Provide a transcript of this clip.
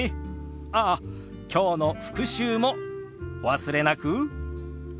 ああきょうの復習もお忘れなく。